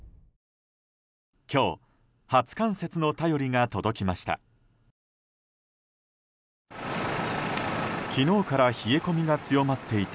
今日、初冠雪の便りが届きました。